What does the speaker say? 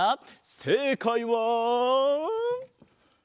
せいかいは。